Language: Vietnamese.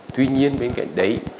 tuy nhiên bên cạnh đấy